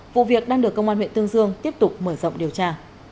vụ việc đang được công an huyện tương dương tiếp tục mở rộng điều tra